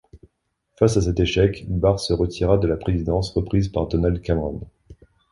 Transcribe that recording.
Face à cet échec, Barr se retira de la présidence reprise par Donald Cameron.